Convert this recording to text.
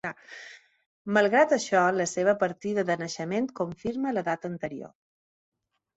Malgrat això, la seva partida de naixement confirma la data anterior.